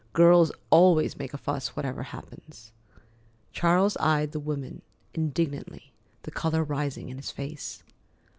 Girls always make a fuss, whatever happens." Charles eyed the woman indignantly, the color rising in his face.